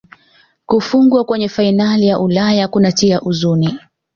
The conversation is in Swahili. kufungwa kwenye fainali ya ulaya kunatia uzuni